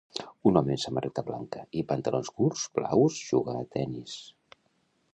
Un home amb samarreta blanca i pantalons curts blaus juga a tennis.